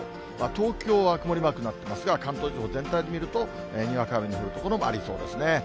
東京は曇りマークになってますが、関東地方全体で見ると、にわか雨の降る所もありそうですね。